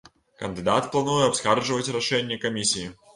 Кандыдат плануе абскарджваць рашэнне камісіі.